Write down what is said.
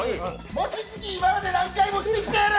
もちつき、今まで何回もしてきたやろ！